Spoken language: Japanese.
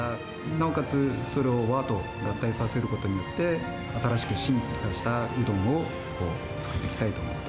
なおかつ、それを和と合体させることによって、新しく進化したうどんを作っていきたいと思って。